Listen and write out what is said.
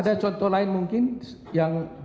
ada contoh lain mungkin yang